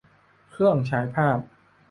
เครื่องฉายภาพ